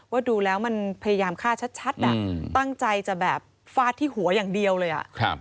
ดูแล้วมันพยายามฆ่าชัดตั้งใจจะแบบฟาดที่หัวอย่างเดียวเลย